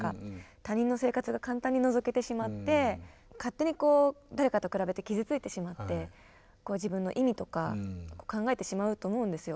他人の生活が簡単にのぞけてしまって勝手に誰かと比べて傷ついてしまって自分の意味とか考えてしまうと思うんですよ。